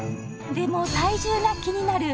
でも体重が気になる